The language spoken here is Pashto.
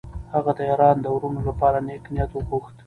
هغه د ایران د وروڼو لپاره نېک نیت وغوښت.